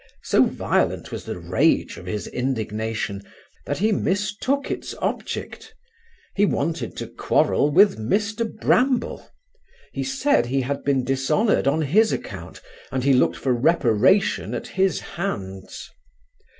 So violent was the rage of his indignation, that he mistook its object. He wanted to quarrel with Mr Bramble; he said, he had been dishonoured on his account, and he looked for reparation at his hands.